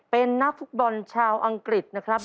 เป็นนักฟุตบอลชาวอังกฤษนะครับ